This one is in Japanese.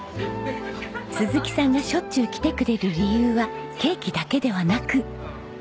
鈴木さんがしょっちゅう来てくれる理由はケーキだけではなく。